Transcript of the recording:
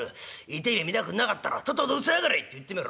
痛え目見たくなかったらとっととうせやがれ！』って言ってみろ。